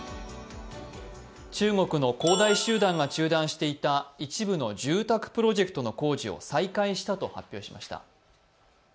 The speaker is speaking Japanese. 中国の恒大集団が中断していた一部の住宅プロジェクトの工事を再開したと発表しました。